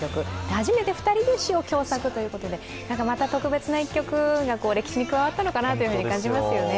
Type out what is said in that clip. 初めて２人で詩を共作ということでまた特別な一曲が歴史に加わったのかなと感じますね。